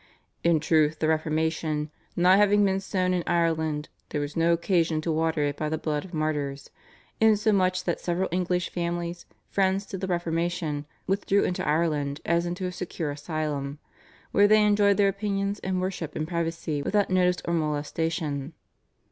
"In truth, the Reformation, not having been sown in Ireland, there was no occasion to water it by the blood of martyrs; insomuch that several English families, friends to the Reformation, withdrew into Ireland as into a secure asylum; where they enjoyed their opinions and worship in privacy without notice or molestation."